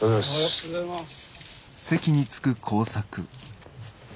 おはようございます。